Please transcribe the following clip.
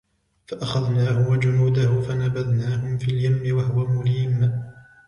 فَأَخَذْنَاهُ وَجُنُودَهُ فَنَبَذْنَاهُمْ فِي الْيَمِّ وَهُوَ مُلِيمٌ